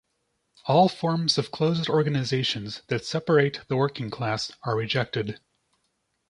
All forms of closed organizations that separate the working class are rejected.